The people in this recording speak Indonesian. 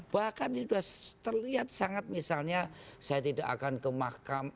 bahkan ini sudah terlihat sangat misalnya saya tidak akan ke mahkamah